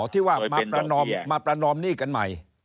อ๋อที่ว่ามาประนอมนี่กันใหม่